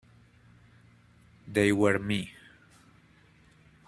They were me.